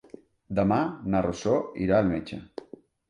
Demà na Rosó irà al metge.